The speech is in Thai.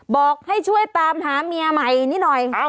บอกให้ช่วยตามหาเมียใหม่นิดหน่อย